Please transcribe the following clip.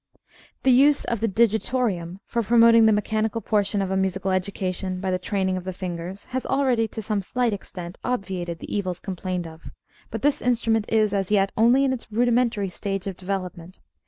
The use of the digitorium for promoting the mechanical portion of a musical education by the training of the fingers has already, to some slight extent, obviated the evils complained of. But this instrument is, as yet, only in its rudimentary stage of development.